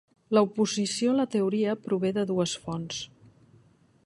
L'oposició a la teoria prové de dues fonts.